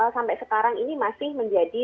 sampai sekarang ini masih menjadi